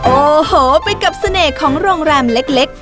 โอ้โหไปกับเสน่ห์ของโรงแรมเล็ก